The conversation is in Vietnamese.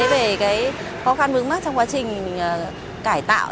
về khó khăn vướng mắt trong quá trình cải tạo